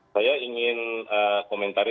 saya ingin komentari